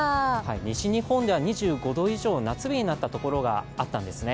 西日本では２５度以上の夏日になった所もあったんですね。